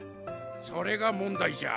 それが問題じゃ。